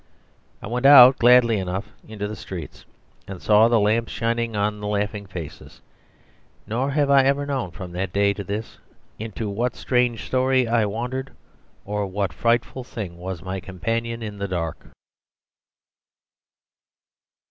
I went out gladly enough into the streets and saw the lamps shining on the laughing faces. Nor have I ever known from that day to this into what strange story I wandered or what frightful thing was my companion in the dark.